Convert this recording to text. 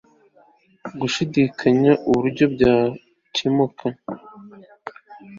gushidikanya uburyo byakemuka